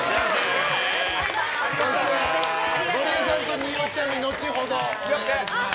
そしてゴリエさんとによちゃみは後ほどお願いします。